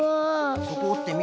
そこおってみる。